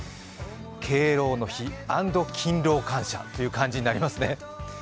敬老の日＆勤労感謝という感じになりますね。